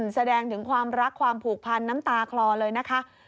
แสดงถึงความรักความผูกพันน้ำตาคลอเลยนะคะ